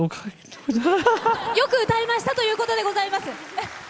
よく歌いましたということでございます。